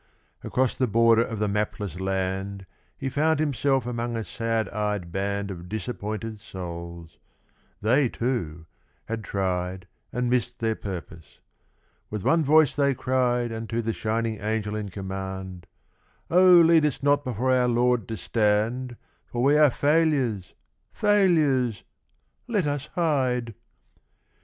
Across the border of the mapless land He found himself among a sad eyed band Of disappointed souls; they, too, had tried And missed their purpose. With one voice they cried Unto the shining Angel in command: 'Oh, lead us not before our Lord to stand, For we are failures, failures! Let us hide.